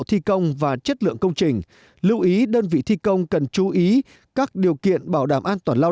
thi công và chất lượng công trình lưu ý đơn vị thi công cần chú ý các điều kiện bảo đảm an toàn lao